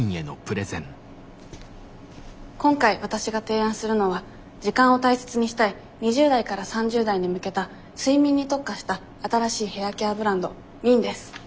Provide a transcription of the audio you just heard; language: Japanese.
今回わたしが提案するのは時間を大切にしたい２０代から３０代に向けた睡眠に特化した新しいヘアケアブランド「Ｍｉｎ」です。